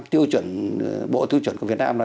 tiêu chuẩn bộ tiêu chuẩn của việt nam là